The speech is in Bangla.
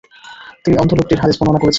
তিনি অন্ধ লোকটির হাদীস বর্ণনা করেছেন।